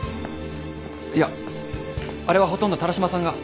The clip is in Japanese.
いやあれはほとんど田良島さんが。